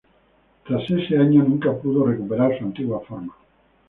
Tras ese año nunca pudo recuperar su antigua forma.